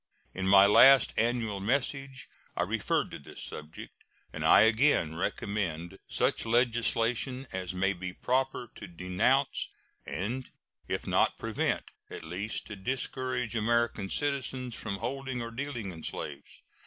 In my last annual message I referred to this subject, and I again recommend such legislation as may be proper to denounce, and, if not prevent, at least to discourage American citizens from holding or dealing in slaves.